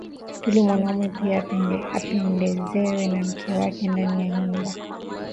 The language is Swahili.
ili mwanaume pia apendezewe na mke wake ndani ya nyumba